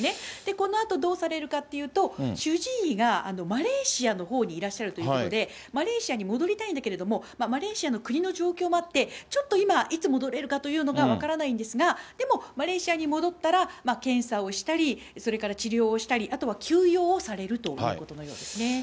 このあとどうされるかっていうと、主治医がマレーシアのほうにいらっしゃるということで、マレーシアに戻りたいんだけれども、マレーシアの国の状況もあって、ちょっと今、いつ戻れるかというのが分からないんですが、でも、マレーシアに戻ったら、検査をしたり、それから治療をしたり、あとは休養をされるということのようですね。